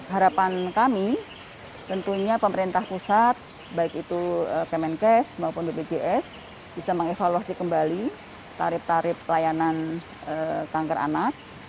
harapan kami tentunya pemerintah pusat baik itu kemenkes maupun bpjs bisa mengevaluasi kembali tarif tarif layanan kanker anak